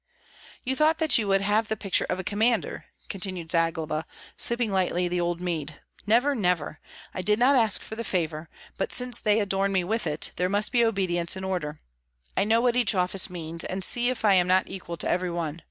"You thought that you would have the picture of a commander," continued Zagloba, sipping lightly the old mead. "Never, never! I did not ask for the favor; but since they adorn me with it, there must be obedience and order. I know what each office means, and see if I am not equal to every one.